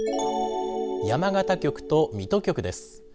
山形局と水戸局です。